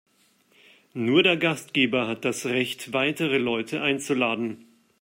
Nur der Gastgeber hat das Recht, weitere Leute einzuladen.